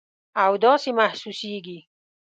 او داسې محسوسیږي